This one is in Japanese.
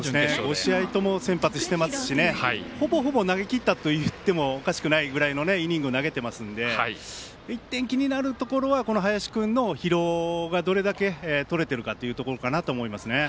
５試合とも先発していますしねほぼほぼ投げきったといってもおかしくないぐらいのイニング投げてますから１点、気になるところはこの林君の疲労がどれだけ取れてるかなというところですね。